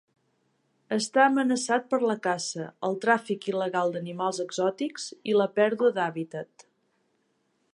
Està amenaçat per la caça, el tràfic il·legal d'animals exòtics i la pèrdua d'hàbitat.